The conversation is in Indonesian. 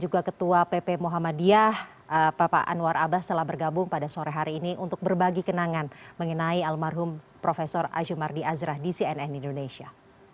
juga ketua pp muhammadiyah bapak anwar abbas telah bergabung pada sore hari ini untuk berbagi kenangan mengenai almarhum prof azumardi azra di cnn indonesia